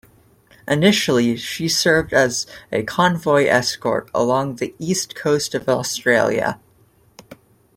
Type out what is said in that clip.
Initially, she served as a convoy escort along the east coast of Australia.